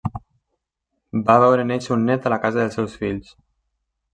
Va veure néixer un nét a la casa dels seus fills.